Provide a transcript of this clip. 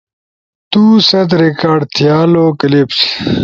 تو ست ریکارڈ تھیالو کلپس